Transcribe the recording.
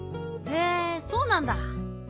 へえそうなんだ。